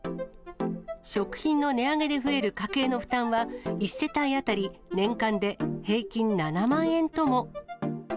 食品の値上げで増える家計の負担は、１世帯当たり年間で平均７万円とも。